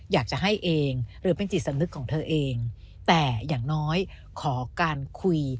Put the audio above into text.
อยากจะให้เองหรือเป็นจิตสำนึกของเธอเองแต่อย่างน้อยขอการคุย